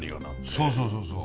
そうそうそうそう。